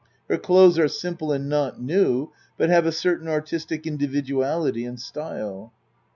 Her clothes are simple and not new but have a certain artistic individuality and style.)